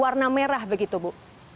warna merah begitu bu